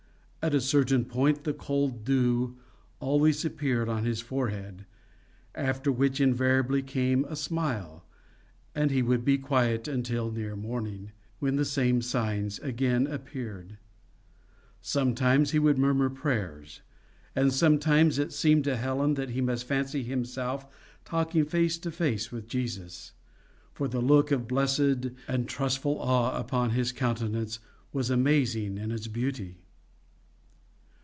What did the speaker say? At a certain point, the cold dew always appeared on his forehead, after which invariably came a smile, and he would be quiet until near morning, when the same signs again appeared. Sometimes he would murmur prayers, and sometimes it seemed to Helen that he must fancy himself talking face to face with Jesus, for the look of blessed and trustful awe upon his countenance was amazing in its beauty.